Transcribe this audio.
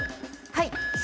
はい。